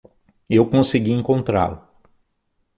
Eu consegui encontrá-lo.